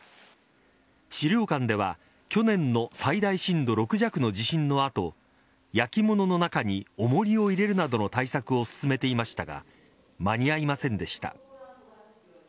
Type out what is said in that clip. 資料館では去年の最大震度６弱の地震の後焼き物の中に重りを入れるなどの対策を進めていましたが間に合いませんでした。